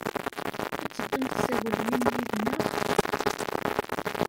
Ad teddumt s agelmim yid-nneɣ?